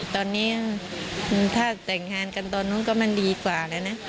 ตอนนี้ถ้าแต่งงานกันตอนนู้นก็มันดีกว่าแล้วนะ